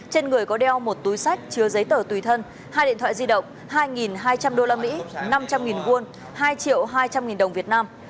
trên người có đeo một túi sách chứa giấy tờ tùy thân hai điện thoại di động hai hai trăm linh usd năm trăm linh won hai hai trăm linh đồng việt nam